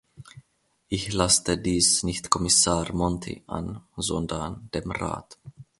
Ich laste dies nicht Kommissar Monti an, sondern dem Rat.